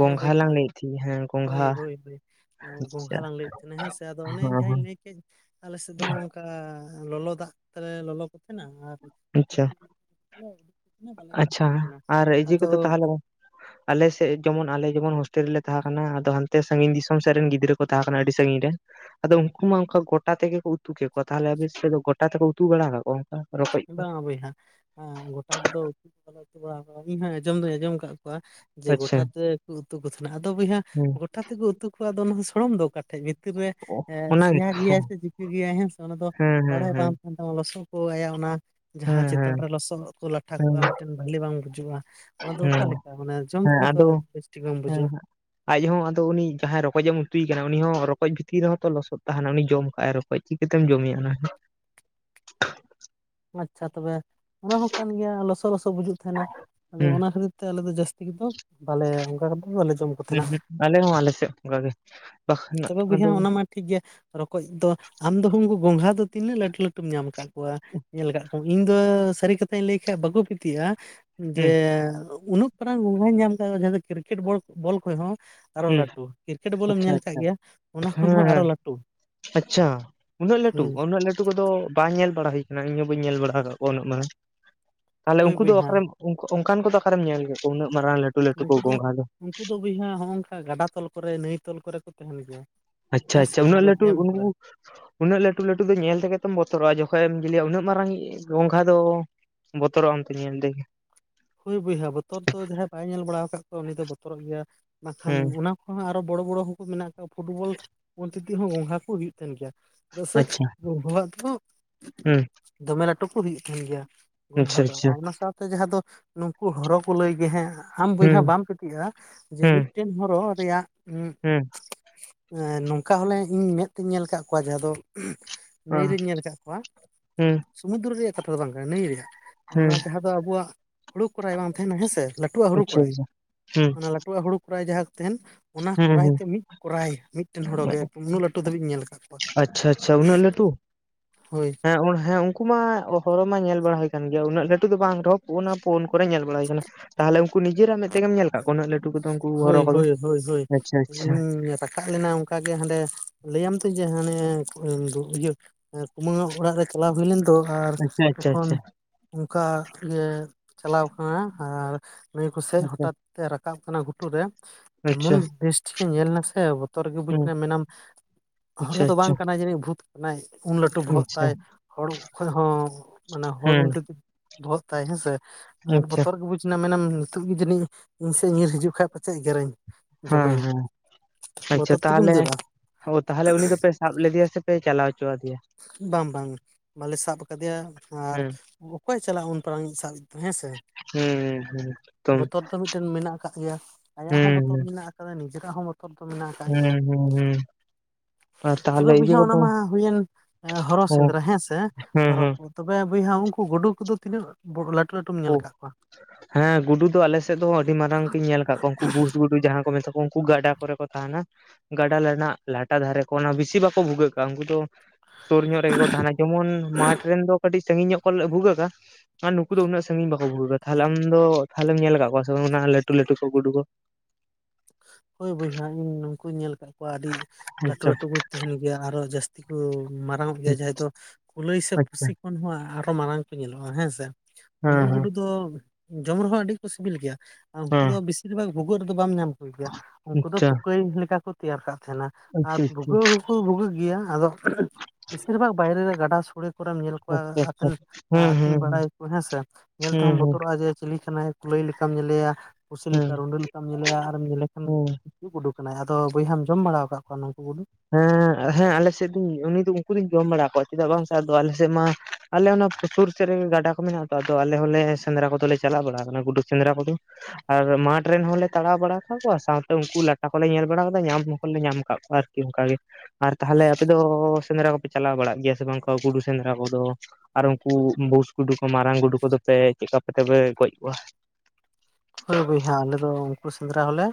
ᱦᱮᱸ ᱵᱳᱭᱦᱟ ᱞᱟᱝ ᱞᱟᱹᱭᱮᱫ ᱛᱟᱦᱮᱸ ᱦᱮᱸ ᱦᱳᱭ ᱜᱚᱝᱜᱷᱟ ᱦᱳᱭ ᱜᱚᱝᱜᱷᱟ ᱟᱪᱪᱷᱟ ᱞᱟᱝ ᱞᱟᱹᱭᱮᱫ ᱛᱟᱦᱮᱸᱱᱟ ᱦᱮᱸᱥᱮ ᱟᱫᱚ ᱚᱱᱮ ᱡᱟᱦᱟᱸᱧ ᱞᱟᱹᱭᱼᱼ ᱠᱟᱹᱡ ᱟᱞᱮ ᱥᱮᱫ ᱫᱚ ᱦᱚ ᱚᱝᱠᱟ ᱞᱚᱞᱚ ᱫᱟᱜ ᱛᱮᱞᱮ ᱞᱚᱞᱚ ᱠᱚ ᱛᱟᱦᱮᱱᱟ᱾ ᱟᱨ ᱟᱪᱪᱷᱟ [unintelligible] ᱠᱚ ᱛᱟᱦᱮᱱᱟ, ᱵᱟᱞᱮ ᱟᱪᱪᱷᱟ ᱠᱚᱴᱮᱡᱚᱜ ᱠᱟᱱᱟ ᱟᱨ ᱮᱡᱟᱹ ᱟᱫᱚ ᱠᱚᱫᱚ ᱛᱟᱦᱚᱞᱮᱼᱼ ᱟᱞᱮᱥᱮᱫ ᱡᱳᱢᱚᱱ ᱟᱞᱮ ᱡᱮᱢᱚᱱ ᱦᱳᱥᱴᱮᱞ ᱨᱮᱞᱮ ᱛᱟᱦᱮᱸ ᱠᱟᱱᱟ ᱟᱫᱚ ᱦᱟᱱᱛᱮ ᱥᱟᱺᱜᱤᱧ ᱫᱤᱥᱚᱢ ᱥᱮᱫ ᱨᱮᱱ ᱜᱤᱫᱽᱨᱟᱹ ᱠᱚ ᱛᱟᱦᱮᱸ ᱠᱟᱱᱟ ᱟᱹᱰᱤ ᱥᱟᱺᱜᱤᱧ ᱨᱮ᱾ ᱟᱫᱚ ᱩᱱᱠᱩ ᱢᱟ ᱚᱱᱠᱟ ᱜᱚᱴᱟ ᱛᱮᱜᱮ ᱠᱚ ᱩᱛᱩ ᱠᱮᱫ ᱠᱚᱣᱟ ᱛᱟᱦᱚᱞᱮ ᱟᱵᱮᱱ ᱥᱮᱫ ᱫᱚ ᱜᱚᱴᱟ ᱛᱮᱠᱚ ᱩᱛᱩ ᱵᱟᱲᱟᱣ ᱠᱟᱜ ᱠᱚᱣᱟ᱾ ᱯᱟᱨᱚᱠᱚᱡ ᱵᱟᱝᱼᱟ ᱵᱚᱭᱦᱟ ᱜᱚᱴᱟ ᱫᱚ [unintelligible] ᱟᱸᱡᱚᱢ ᱫᱩᱧ ᱟᱸᱡᱚᱢ ᱟᱠᱟᱫ ᱠᱚᱣᱟ᱾ ᱡᱮ ᱜᱚᱴᱟ ᱛᱮᱠᱚ ᱩᱛᱩ ᱠᱚ ᱛᱟᱦᱮᱱᱟ᱾ ᱟᱫᱚ ᱵᱚᱭᱦᱟ ᱦᱩᱸ ᱜᱳᱴᱟ ᱛᱮᱠᱚ ᱩᱛᱩ ᱠᱚᱣᱟ ᱫᱚ ᱱᱚᱣᱟ ᱥᱚᱲᱚᱢ ᱫᱚ ᱚᱠᱟᱴᱷᱮᱡ ᱵᱷᱤᱛᱤᱨ ᱨᱮ ᱮᱼ ᱚᱱᱟ ᱥᱮᱭᱟ ᱜᱮᱛᱚ ᱜᱮᱭᱟᱭ ᱥᱮ ᱡᱤᱠᱟᱹ ᱜᱮᱭᱟᱭ ᱦᱮᱸᱥᱮ ᱚᱱᱟ ᱫᱚ ᱦᱮᱸ ᱦᱮᱸ ᱵᱟᱲᱟᱭ ᱦᱮᱸ ᱵᱟᱝ ᱛᱟᱦᱮᱸ ᱛᱟ ᱞᱚᱥᱚᱫ ᱠᱚ ᱟᱭᱟ ᱚᱱᱟ ᱡᱟᱦᱟᱸ ᱦᱮᱸ ᱪᱮᱛᱟᱱ ᱦᱮᱸ ᱨᱮ ᱞᱚᱥᱚᱫ ᱠᱚ ᱞᱟᱴᱷᱟ ᱦᱮᱸ ᱠᱚᱜᱼᱟ, ᱢᱤᱫᱴᱮᱱ ᱵᱷᱷᱟᱞᱤ ᱵᱟᱝ ᱵᱩᱡᱩᱜᱼᱟ᱾ ᱚᱱᱟ ᱫᱚ ᱚᱠᱟ ᱦᱮᱸ ᱞᱮᱠᱟ ᱢᱟᱱᱮ ᱡᱚᱢ ᱦᱮᱸ ᱛᱮᱦᱚᱸ ᱛᱚ ᱟᱫᱚ ᱵᱮᱥ ᱴᱷᱤᱠ ᱵᱟᱢ ᱵᱩᱡᱷᱟᱹᱜᱼᱟ᱾ ᱦᱮᱸ ᱟᱡ ᱦᱚᱸ ᱟᱫᱚ ᱩᱱᱤ ᱡᱟᱦᱟᱸᱭ ᱨᱚᱠᱚᱡᱮ ᱮᱢ ᱩᱛᱩᱭᱮ ᱟᱠᱟᱱᱟ, ᱩᱱᱤ ᱦᱚᱸ ᱨᱚᱠᱚᱡ ᱵᱷᱤᱛᱤᱨ ᱨᱮᱦᱚᱸ ᱛᱚ ᱞᱚᱥᱚᱫ ᱛᱟᱦᱮᱱᱟ ᱩᱱᱤ ᱡᱚᱢ ᱠᱟᱜᱟᱭ ᱨᱚᱠᱚᱡ᱾ ᱪᱤᱠᱟᱹᱛᱮᱢ ᱡᱚᱢᱭᱟ᱾ ᱚᱱᱟ ᱟᱪᱪᱷᱟ ᱛᱚᱵᱮ ᱚᱱᱟ ᱦᱚᱸ ᱠᱟᱱ ᱜᱮᱭᱟ᱾ ᱞᱚᱥᱚ ᱞᱚᱥᱚ ᱵᱩᱡᱩᱜ ᱛᱟᱦᱮᱱᱟ᱾ ᱟᱫᱚ ᱚᱱᱟ ᱠᱷᱟᱹᱛᱤᱨ ᱛᱮ ᱟᱞᱮ ᱫᱚ ᱡᱟᱹᱥᱛᱤ ᱜᱮ ᱫᱚ ᱯᱟᱞᱮ ᱚᱱᱠᱟ ᱠᱟᱛᱮ ᱫᱚ ᱵᱟᱞᱮ ᱡᱚᱢ ᱠᱚ ᱦᱩᱸ ᱛᱟᱦᱮᱱᱟ᱾ ᱦᱩᱸ ᱟᱞᱮ ᱦᱚᱸ ᱟᱞᱮ ᱥᱮᱫ ᱚᱱᱠᱟ ᱜᱮ ᱵᱟᱠᱷᱟᱱ ᱛᱚᱵᱮ ᱵᱳᱭᱦᱟ ᱟᱫᱚ ᱚᱱᱟ ᱢᱟ ᱴᱷᱤᱠ ᱜᱮᱭᱟ ᱨᱚᱠᱚᱡ ᱫᱚ ᱟᱢ ᱫᱚᱠᱩ ᱜᱩᱝᱜᱷᱟ ᱫᱚ ᱛᱤᱱᱟᱹᱜ ᱞᱟᱹᱴᱩ ᱞᱟᱹᱴᱩᱢ ᱧᱟᱢ ᱟᱠᱟᱫ ᱠᱚᱣᱟ᱾ ᱧᱮᱞ ᱟᱠᱟᱫ ᱠᱚ ᱤᱧ ᱫᱚ ᱥᱟᱹᱨᱤ ᱠᱟᱛᱷᱟᱧ ᱞᱟᱹᱭ ᱠᱷᱟᱡ ᱵᱟᱠᱚ ᱯᱤᱛᱩᱜᱼᱟ ᱡᱮ ᱦᱩᱸ ᱩᱱᱟᱹᱜ ᱢᱟᱨᱟᱝ ᱜᱚᱸᱜᱷᱟᱧ ᱧᱟᱢ ᱠᱟᱜ ᱠᱳᱣᱟ ᱡᱟᱦᱟᱸ ᱫᱚ ᱠᱨᱤᱠᱮᱴ ᱵᱚᱞ ᱠᱷᱚᱡ ᱦᱚᱸ᱾ ᱟᱨᱚ ᱦᱩᱸ ᱞᱟᱹᱴᱩ ᱠᱨᱤᱠᱮᱴ ᱵᱚᱞᱮᱢ ᱟᱪᱪᱷᱟ ᱧᱮᱞ ᱠᱟᱜ ᱟᱪᱪᱷᱟ ᱜᱮᱭᱟ᱾ ᱚᱱᱟ ᱦᱮᱸ ᱠᱷᱚᱱ ᱦᱚᱸ ᱟᱨᱚ ᱦᱮᱸ ᱞᱟᱹᱴᱩ᱾ ᱟᱪᱪᱷᱟ ᱩᱱᱟᱹᱜ ᱞᱟᱹᱴᱩ ᱦᱩᱸ ᱞᱟᱹᱴ᱾ ᱛᱩ ᱠᱚᱫᱚ ᱵᱟᱝ ᱧᱮᱞ ᱵᱟᱲᱟ ᱦᱩᱭ ᱠᱟᱱᱟ ᱤᱧᱦᱳ ᱵᱟᱹᱧ ᱧᱮᱞ ᱵᱟᱲᱟ ᱟᱠᱟᱫ ᱠᱚᱣᱟ ᱩᱱᱟᱹᱜ ᱢᱟᱨᱟᱝ ᱛᱟᱦᱚᱞᱮ ᱦᱳᱭ ᱩᱱᱠᱩ ᱫᱚ ᱵᱚᱭᱦᱟ ᱚᱠᱟᱨᱮᱢ ᱚᱱᱠᱩ ᱚᱱᱠᱟ ᱠᱚ ᱫᱚ ᱚᱠᱟᱨᱮᱢ ᱧᱮᱞ ᱠᱮᱫ ᱠᱚ ᱩᱱᱟᱹᱜ ᱢᱟᱨᱟᱝ ᱞᱟ ᱩᱱᱠᱩ ᱫᱚ ᱩᱱᱠᱩ ᱫᱚ ᱵᱚᱭᱦᱟ ᱦᱚᱸᱜᱼᱚᱭ ᱜᱟᱰᱟ ᱛᱚᱞ ᱠᱚᱨᱮ ᱱᱟᱹᱭ ᱛᱚᱞ ᱠᱚᱨᱮ ᱠᱚ ᱛᱟᱦᱮᱱ ᱜᱮᱭᱟ᱾ ᱟᱪᱪᱷᱟ ᱦᱮᱸ ᱥᱮ ᱟᱪᱪᱷᱟ ᱡᱟᱦᱟᱸ ᱩᱱᱟᱹᱜ ᱫᱚ ᱞᱟᱹᱴᱩ ᱰᱮᱢ ᱩᱱ ᱠᱚᱨᱮ ᱩᱱᱟᱹᱜ ᱞᱟᱹᱴᱩ ᱞᱟᱹᱴᱩ ᱫᱚ ᱧᱮᱞ ᱛᱮ ᱜᱮ ᱛᱚᱢ ᱵᱚᱛᱚᱨᱚᱜᱼᱟ᱾ ᱡᱚᱠᱷᱮ ᱮᱢ ᱡᱮᱞᱤᱭᱟ ᱩᱱᱟᱹᱜ ᱢᱟᱨᱟᱝ ᱤ ᱜᱚᱝᱜᱷᱟ ᱫᱚ᱾ ᱵᱚᱛᱚᱨᱚᱜ ᱟᱢ ᱧᱮᱞ ᱛᱮᱜᱤ ᱦᱩᱭ ᱵᱚᱭᱦᱟ ᱵᱚᱛᱚᱨ ᱫᱚ ᱡᱟᱦᱟᱸᱭ ᱵᱟᱭ ᱧᱮᱞ ᱵᱟᱲᱟ ᱟᱠᱟᱫ ᱠᱚᱣᱟ ᱩᱱᱤ ᱫᱚ ᱵᱚᱛᱚᱨᱚᱜ ᱜᱮᱭᱟ ᱵᱟᱝ ᱠᱷᱟᱱ ᱦᱩᱸ ᱚᱱᱟ᱾ ᱟᱨᱚ ᱵᱚᱲᱚ ᱵᱚᱲᱚ ᱦᱚᱸᱠᱚ ᱢᱮᱱᱟᱜ ᱠᱚᱟᱜᱣᱟ ᱯᱷᱩᱴᱵᱚᱞ ᱩᱱᱛᱮ ᱛᱤᱛᱤ ᱦᱚᱸ ᱜᱚᱸᱜᱷᱟ ᱠᱚ ᱦᱩᱭᱩᱜ ᱟᱪᱪᱷᱟ ᱦᱩᱸ [unintelligible] ᱫᱚᱢᱮ ᱞᱟᱹᱴᱩ ᱠᱚ ᱦᱩᱭᱩᱜ ᱠᱟᱱ ᱜᱮᱭᱟ᱾ ᱜᱚᱝᱜᱷᱟ ᱟᱪᱪᱷᱟ ᱫᱚ ᱟ ᱟᱪᱪᱷᱟ ᱚᱱᱟ ᱥᱟᱶᱛᱮ ᱡᱟᱦᱟᱸ ᱫᱚ, ᱱᱩᱠᱩ ᱦᱚᱨᱚ ᱠᱚ ᱞᱟᱹᱭ ᱜᱮ ᱦᱮᱸ ᱟᱢ ᱵᱚᱭᱦᱟ ᱦᱩᱸ ᱵᱟᱢ ᱯᱟᱹᱛᱤᱭᱼᱟ᱾ ᱡᱮ ᱢᱤᱫᱴᱮᱱ ᱦᱚᱨᱚ ᱨᱮᱭᱟᱜ ᱦᱮᱸ ᱟᱸ ᱱᱚᱝᱠᱟ ᱦᱚᱞᱮ ᱤᱧ ᱢᱮᱸᱫ ᱛᱮᱧ ᱧᱮᱞ ᱠᱟᱫ ᱠᱚᱣᱟ ᱡᱟᱦᱟᱸ ᱫᱚ᱾ ᱦᱩᱸ ᱱᱟᱹᱭᱨᱤᱧ ᱧᱮᱞ ᱠᱟᱫ ᱠᱚᱣᱟ ᱦᱩᱸ ᱥᱳᱢᱩᱫᱚᱨᱚ ᱨᱮᱭᱟᱜ ᱠᱟᱛᱷᱟ ᱫᱚ ᱵᱟᱝ ᱠᱟᱱᱟ, ᱱᱟᱹᱭ ᱨᱮᱭᱟᱜ ᱦᱩᱸ ᱚᱱᱟ ᱡᱟᱦᱟᱸ ᱟᱵᱩᱣᱟᱼᱜ ᱦᱩᱲᱩ ᱠᱚᱲᱟᱭ ᱵᱟᱝ ᱛᱟᱦᱮᱱᱟ ᱦᱮᱸᱥᱮ ᱞᱟᱹᱴᱩᱣᱟᱜ ᱦᱩᱲᱩ ᱟᱪᱪᱷᱟ ᱠᱚᱲᱟᱨᱮ ᱟᱪᱪᱷᱟ ᱦᱩᱸ ᱚᱱᱟ ᱞᱟᱹᱴᱩᱣᱟᱜ ᱦᱩᱲᱩ ᱠᱚᱨᱟᱭ ᱡᱟᱦᱟᱸ ᱠᱚ ᱛᱟᱦᱮᱱ ᱚᱱᱟ ᱦᱩᱸ ᱠᱚᱨᱟᱭ ᱦᱩᱸ ᱛᱮ ᱢᱤᱫ ᱠᱚᱨᱟᱭ ᱢᱤᱫᱴᱮᱱ ᱦᱚᱲᱚ ᱜᱮ ᱩᱱᱟᱹᱜ ᱞᱟᱹᱴᱩ ᱫᱷᱟᱹᱵᱤᱡ ᱤᱧ ᱧᱮᱞ ᱟᱠᱟᱫ ᱠᱚᱣᱟ᱾ ᱟᱪᱪᱷᱟ ᱟᱪᱪᱷᱟ ᱩᱱᱟᱹᱜ ᱞᱟᱹᱴᱩ ᱦᱳᱭ ᱦᱮᱸ ᱚᱬ ᱦᱮᱸ ᱚᱩ ᱠᱩ ᱢᱟ ᱦᱚᱨᱚ ᱢᱟ ᱧᱮᱞ ᱵᱟᱲᱟ ᱦᱩᱭ ᱠᱟᱱ ᱜᱤᱭᱟ, ᱩᱱᱟᱹᱜ ᱞᱟᱹᱴᱩ ᱫᱚ ᱵᱟᱝ ᱨᱮᱦᱚᱸ ᱚᱱᱟ ᱯᱷᱳᱱ ᱠᱚᱨᱮ ᱧᱮᱞ ᱵᱟᱲᱟ ᱦᱩᱭ ᱟᱠᱟᱱᱟ᱾ ᱛᱟᱦᱚᱞᱮ ᱩᱱᱠᱩ ᱱᱤᱡᱮᱨᱟᱜ ᱢᱮᱫ ᱛᱮ ᱜᱮᱢ ᱧᱮᱞ ᱟᱠᱟᱫ ᱠᱚᱣᱟ ᱩᱱᱟᱹᱜ ᱞᱟᱹᱴᱩ ᱠᱚᱫᱚ ᱩᱱᱠᱩ ᱦᱚᱨᱚ ᱦᱳᱭ ᱠᱚᱫᱚ ᱦᱳᱭ ᱦᱳᱭ ᱦᱳᱭ ᱟᱪᱪᱷᱟ ᱟᱪᱪᱷᱟ ᱮᱤ ᱛᱟᱦ ᱞᱮᱱᱟᱭ ᱚᱱᱠᱟ ᱜᱮ ᱦᱟᱸᱰᱮ ᱞᱟᱹᱭᱟᱢ ᱛᱚ ᱡᱮ ᱦᱟᱱᱮ ᱤᱭᱟᱹ ᱠᱩᱢᱟᱹᱝ ᱟᱜ ᱚᱲᱟᱜ ᱨᱮ ᱪᱟᱞᱟᱣ ᱦᱩᱭ ᱞᱮᱱ- ᱛᱚ ᱟᱨ ᱟᱪᱪᱷᱟ ᱛᱚᱠᱷᱚᱱ ᱟᱪᱪᱷᱟ ᱚᱱᱠᱟ ᱜᱮ ᱪᱟᱞᱟᱣ ᱟᱠᱟᱱᱟ᱾ ᱟᱨ ᱞᱟᱹᱭ ᱟᱠᱚ ᱥᱮᱫ ᱟᱪᱪᱷᱟ ᱦᱚᱴᱟᱛ ᱮ ᱨᱟᱠᱟᱵ ᱟᱠᱟᱱᱟ ᱜᱷᱩᱴᱩ ᱨᱮ᱾ ᱮᱢᱚᱱ ᱟᱪᱪᱷᱟ ᱟᱪᱪᱷᱟ ᱵᱮᱥ ᱴᱷᱤᱠᱮ ᱧᱮᱞ ᱮᱱᱟ ᱥᱮ ᱵᱚᱛᱚᱨᱜᱮ ᱵᱩᱡᱽ ᱦᱮᱸ ᱮᱱᱟ ᱢᱮᱱᱟᱢ ᱦᱚᱨᱚ ᱟᱪᱪᱷᱟ ᱫᱚ ᱟᱪᱪᱷᱟ ᱵᱟᱝ ᱠᱟᱱᱟᱭ ᱡᱟᱹᱱᱤᱡ ᱵᱷᱩᱛ ᱠᱟᱱᱟᱭ ᱩᱱ ᱞᱟᱹᱴᱩ ᱵᱷᱚᱦᱚᱜ ᱟᱪᱪᱷᱟ ᱛᱟᱭ ᱦᱚᱲ ᱩᱵ ᱠᱷᱚᱡ ᱦᱚᱸ ᱢᱟᱱᱮ ᱦᱚᱲ ᱦᱮᱸ ᱩᱱᱛᱤᱛᱤᱡ ᱵᱚᱦᱚᱜ ᱛᱟᱭ ᱦᱮᱸᱥᱮ ᱟᱨ ᱟᱪᱪᱷᱟ ᱵᱚᱛᱚᱨ ᱜᱮ ᱵᱩᱡᱽ ᱮᱱᱟ ᱢᱮᱱᱟᱢ ᱱᱤᱛᱚᱜ ᱜᱮ ᱡᱟᱹᱱᱤᱡ ᱤᱧ ᱥᱮᱫ ᱮ ᱧᱤᱨ ᱦᱤᱡᱩᱜ ᱠᱷᱟᱱ ᱯᱟᱪᱮᱫ ᱮ ᱜᱮᱨᱤᱧ ᱦᱩᱸ ᱦᱩᱸ ᱟᱪᱪᱷᱟ ᱵᱚᱛᱚᱨ ᱛᱮᱜᱮᱢ ᱛᱟᱦᱚᱞᱮ ᱫᱟᱹᱲᱟ ᱚ ᱛᱟᱦᱚᱞᱮ ᱩᱱᱤ ᱫᱚᱯᱮ ᱥᱟᱵ ᱞᱮᱫᱮᱭᱟ ᱥᱮᱯᱮ ᱪᱟᱞᱟᱣ ᱦᱚᱪᱚᱣᱟᱫᱮᱭᱟ᱾ ᱵᱟᱝ ᱵᱟᱝ᱾ ᱵᱟᱞᱮ ᱥᱟᱵ ᱟᱠᱟᱫᱮᱭᱟ ᱟᱨ ᱦᱮᱸ ᱚᱠᱚᱭ ᱪᱟᱞᱟᱜ-ᱟ ᱩᱱ ᱢᱟᱨᱟᱝ-ᱤᱡ ᱥᱟᱵ ᱫᱚ ᱦᱮᱸᱥᱮ᱾ ᱦᱮᱸ ᱦᱮᱸ ᱛᱚ ᱦᱩᱸ ᱵᱚᱛᱚᱨ ᱫᱚ ᱢᱤᱫᱴᱮᱱ ᱢᱮᱱᱟᱜ ᱟᱠᱟᱫ ᱜᱮᱭᱟ ᱟᱭᱟᱜ ᱦᱚᱸ ᱵᱚᱛᱚᱨ ᱦᱩᱸ ᱢᱮᱱᱟᱜ ᱟᱠᱟᱫᱟ ᱱᱤᱡᱮᱨᱟᱜ ᱦᱚᱸ ᱵᱚᱛᱚᱨ ᱵᱚᱛᱚᱨ ᱫᱚ ᱢᱮᱱᱟᱜ ᱟᱠᱟᱫ ᱜᱮᱭᱟ ᱦᱩᱸ ᱦᱩᱸ ᱦᱩᱸ ᱟᱨ ᱛᱚᱵᱮ ᱛᱟᱦᱚᱞᱮ ᱤᱭᱟᱹ ᱵᱚᱭᱦᱟ ᱚᱱᱟ ᱠᱚᱫᱚ ᱢᱟ ᱦᱩᱭᱮᱱ ᱦᱚᱨᱚ ᱦᱮᱸ ᱥᱮᱸᱫᱽᱨᱟ ᱦᱮᱸᱥᱮ ᱦᱮᱸ ᱦᱚᱨᱚ ᱦᱮᱸ ᱠᱚ ᱛᱚᱵᱮ ᱵᱚᱭᱦᱟ ᱩᱱᱠᱩ ᱜᱩᱰᱩ ᱠᱚᱫᱚ ᱛᱤᱱᱟᱹᱜ ᱞᱟᱹᱴᱩ ᱞᱟᱹᱴᱩ ᱦᱮᱸ ᱜᱩᱰᱩ ᱫᱚ ᱟᱞᱮ ᱥᱮᱫ ᱫᱚ ᱟᱹᱰᱤ ᱢᱟᱨᱟᱝ ᱜᱮᱧ ᱧᱮᱞ ᱟᱠᱟᱫ ᱠᱚᱣᱟ ᱩᱱᱠᱩ ᱵᱩᱥ ᱜᱩᱰᱩ, ᱡᱟᱦᱟᱸ ᱠᱚ ᱢᱮᱛᱟ ᱠᱚ ᱩᱱᱠᱩ ᱜᱟᱰᱟ ᱠᱚᱨᱮ ᱠᱚ ᱛᱟᱦᱮᱸᱱᱟ᱾ ᱜᱟᱰᱟ ᱨᱮᱱᱟᱜ ᱞᱟᱴᱟ ᱫᱷᱟᱨᱮ ᱠᱚ ᱚᱱᱟ ᱵᱤᱥᱤ ᱵᱟᱠᱚ ᱵᱷᱩᱜᱟᱹᱜ-ᱟ ᱩᱱᱠᱩ ᱫᱚ᱾ ᱥᱩᱨ ᱧᱚᱜ ᱨᱮᱜᱮ ᱠᱚ ᱛᱟᱦᱮᱱᱟ ᱡᱮᱢᱚᱱ ᱢᱟᱴᱷ ᱨᱮᱱ ᱫᱚ ᱠᱟᱹᱴᱤᱡ ᱥᱟᱺᱜᱤᱧ ᱧᱚᱜ ᱠᱚ ᱵᱷᱩᱜᱟᱹᱜ-ᱟ, ᱟᱨ ᱱᱩᱠᱩ ᱫᱚ ᱩᱱᱟᱹᱜ ᱥᱟᱺᱜᱤᱧ ᱵᱟᱠᱚ ᱵᱷᱩᱜᱟᱹᱜ-ᱟ ᱛᱟᱦᱚᱞᱮ ᱟᱢ ᱫᱚ ᱛᱟᱦᱚᱞᱮᱢ ᱧᱮᱞ ᱟᱠᱟᱫ ᱠᱚᱣᱟ ᱥᱮ ᱵᱟᱝ ᱚᱱᱟ ᱞᱟᱹᱴᱩ ᱞᱟᱹᱴᱩ ᱠᱚ ᱜᱩᱰᱩ ᱠᱚ? ᱦᱚᱭ ᱵᱚᱭᱦᱟ ᱤᱧ ᱱᱩᱠᱩᱧ ᱧᱮᱞ ᱟᱠᱟᱫ ᱠᱚᱣᱟ ᱟᱹᱰᱤ ᱞᱟᱹᱴᱩ ᱟᱪᱪᱷᱟ ᱞᱟᱹᱴᱩ ᱠᱚ, ᱛᱟᱦᱮᱱ ᱜᱮᱭᱟ ᱟᱨᱚ ᱡᱟᱹᱥᱛᱤ ᱠᱚ ᱢᱟᱨᱟᱝᱚᱜ ᱜᱮᱭᱟ ᱡᱟᱦᱟᱸᱭ ᱫᱚ ᱠᱩᱞᱟᱹᱭ ᱥᱮ ᱟᱪᱪᱷᱟ ᱯᱩᱥᱤ ᱠᱷᱚᱱ ᱦᱚᱸ ᱟᱨᱦᱚᱸ ᱢᱟᱨᱟᱝ ᱠᱚ ᱧᱮᱞᱚᱜ-ᱟ ᱦᱮᱸᱥᱮ ᱩᱱᱠᱩ ᱦᱮᱸ ᱦᱮᱸ ᱜᱩᱰᱩ ᱫᱚ ᱡᱚᱢ ᱨᱮᱦᱚᱸ ᱟᱹᱰᱤ ᱠᱚ ᱥᱤᱵᱤᱞ ᱜᱮᱭᱟ ᱩᱱᱠᱩ ᱦᱮᱸ ᱫᱚ ᱵᱤᱥᱤᱨ ᱵᱷᱟᱜᱽ ᱵᱷᱩᱜᱟᱹᱜ ᱨᱮᱫᱚ ᱵᱟᱢ ᱧᱟᱢ ᱠᱚᱣᱟ᱾ ᱜᱮᱭᱟ ᱩᱱᱠᱩ ᱫᱚ ᱟᱪᱪᱷᱟ ᱛᱩᱠᱟᱹᱭ ᱞᱮᱠᱟ ᱠᱚ ᱛᱮᱭᱟᱨ ᱠᱟᱜ ᱛᱟᱦᱮᱱᱟ ᱟᱨ ᱟᱪᱪᱷᱟ ᱟᱪᱪᱷᱟ ᱵᱷᱩᱜᱟᱹᱜ ᱦᱚᱸ ᱠᱚ ᱵᱷᱩᱜᱟᱹᱜ ᱜᱮᱭᱟ ᱟᱫᱚ ᱵᱮᱥᱤᱨ ᱵᱷᱟᱜᱽ ᱵᱟᱭᱨᱮ ᱨᱮ ᱜᱟᱰᱟ ᱥᱳᱲᱮ ᱠᱚᱨᱮᱢ ᱧᱮᱞ ᱠᱚᱣᱟ ᱟᱪᱪᱷᱟ ᱟᱪᱪᱷᱟ ᱟᱪᱪᱷᱟ ᱟᱛᱮᱱ ᱦᱮᱸ ᱟᱹᱛᱤᱧ ᱦᱮᱸ ᱦᱮᱸ ᱵᱟᱲᱟᱭᱟᱠᱚ ᱦᱮᱸᱥᱮ ᱧᱮᱞ ᱛᱮᱦᱚᱢ ᱦᱮᱸ ᱵᱚᱛᱚᱨᱚᱜ-ᱟ ᱡᱮ ᱪᱤᱞᱤ ᱠᱟᱱᱟᱭ? ᱠᱩᱞᱟᱹᱭ ᱞᱮᱠᱟᱢ ᱧᱮᱞᱮᱭᱟ ᱯᱩᱥᱤ ᱦᱮᱸ ᱞᱮᱠᱟ ᱨᱩᱸᱰᱟᱹ ᱞᱮᱠᱟᱢ ᱧᱮᱞᱮᱭᱟ ᱟᱨᱮᱢ ᱧᱮᱞᱮ ᱠᱷᱟᱱ ᱦᱮᱸ ᱱᱩᱭ ᱜᱩᱰᱩ ᱠᱟᱱᱟᱭ ᱟᱫᱚ ᱵᱚᱭᱦᱟᱢ ᱡᱚᱢ ᱵᱟᱲᱟ ᱟᱠᱟᱫ ᱠᱚᱣᱟ ᱱᱩᱠᱩ ᱜᱩ‍ᱰᱩ? ᱦᱮᱸ ᱦᱮᱸ ᱟᱞᱮ ᱥᱮᱫ ᱫᱚᱧ ᱩᱱᱤ ᱫᱚ ᱩᱱᱠᱩ ᱫᱚᱧ ᱡᱚᱢ ᱵᱟᱲᱟ ᱠᱚᱣᱟ ᱪᱮᱫᱟᱜ ᱵᱟᱝ ᱥᱮ ᱟᱫᱚ ᱟᱞᱮ ᱥᱮᱫ ᱢᱟ ᱟᱞᱮ ᱚᱱᱟ ᱥᱩᱨ ᱥᱮᱫ ᱨᱮᱜᱮ ᱜᱟᱰᱟ ᱠᱚ ᱢᱮᱱᱟᱜ-ᱟ ᱛᱚ ᱟᱫᱚ ᱟᱞᱮ ᱦᱚᱸᱞᱮ ᱥᱮᱸᱫᱽᱨᱟ ᱠᱚᱫᱚᱞᱮ ᱪᱟᱞᱟᱣ ᱵᱟᱲᱟ ᱟᱠᱟᱱᱟ ᱜᱩᱰᱩ ᱥᱮᱸᱫᱽᱨᱟ ᱠᱚᱫᱚ᱾ ᱟᱨ ᱢᱟᱴᱷ ᱨᱮᱱ ᱦᱚᱸᱞᱮ ᱛᱟᱲᱟᱣ ᱵᱟᱲᱟ ᱟᱠᱟᱫ ᱠᱚᱣᱟ ᱥᱟᱶᱛᱮ ᱩᱱᱠᱩ ᱞᱟᱴᱟ ᱠᱚᱞᱮ ᱧᱮᱞ ᱵᱟᱲᱟ ᱟᱠᱟᱫᱟ ᱧᱟᱢ ᱦᱚᱸ ᱞᱮ ᱧᱟᱢ ᱟᱠᱟᱫ ᱠᱚᱣᱟ ᱟᱨᱠᱤ᱾ ᱚᱱᱠᱟ ᱜᱮ ᱟᱨ ᱛᱟᱦᱚᱞᱮ ᱟᱯᱮ ᱫᱚ ᱥᱮᱸᱫᱽᱨᱟ ᱠᱚᱯᱮ ᱪᱟᱞᱟᱣ ᱵᱟᱲᱟᱜ ᱜᱮᱭᱟ ᱥᱮ ᱵᱟᱝ ᱚᱱᱠᱟ ᱜᱩᱰᱩ ᱥᱮᱸᱫᱽᱨᱟ ᱠᱚᱫᱚ ᱟᱨ ᱩᱱᱠᱩ ᱵᱩᱥ ᱜᱩᱰᱩ ᱠᱚ ᱢᱟᱨᱟᱝ ᱜᱩᱰᱩ ᱠᱚᱫᱚ ᱯᱮ ᱪᱮᱫᱠᱟ ᱛᱮᱯᱮ ᱜᱚᱡ ᱠᱚᱣᱟ? ᱦᱳᱭ ᱵᱚᱭᱦᱟ ᱟᱞᱮ ᱫᱚ ᱩᱱᱠᱩ ᱥᱮᱸᱫᱽᱨᱟ ᱦᱚᱸᱞᱮ